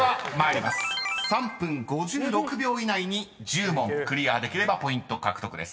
［３分５６秒以内に１０問クリアできればポイント獲得です。